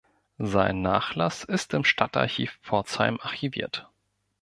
Sein Nachlass ist im Stadtarchiv Pforzheim archiviert.